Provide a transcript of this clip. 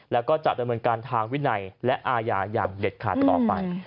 แล้วก็จะดำเนินการทางวินัยและอาญาอย่างเด็ดขาดต่อไป